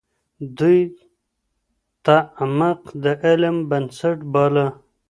دوی تعمق د علم بنسټ باله.